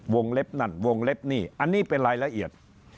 เล็บนั่นวงเล็บนี่อันนี้เป็นรายละเอียด